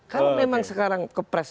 kalau memang sekarang kepres